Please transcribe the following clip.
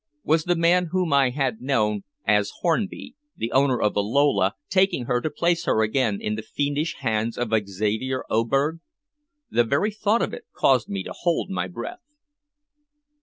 Was the man whom I had known as Hornby, the owner of the Lola, taking her to place her again in the fiendish hands of Xavier Oberg? The very thought of it caused me to hold my breath.